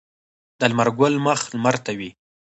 د لمر ګل مخ لمر ته وي